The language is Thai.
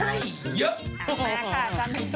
เกิดเพ้ิร์ฟ